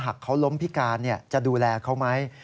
หากเขาล้มพิการจะดูแลเขาไหม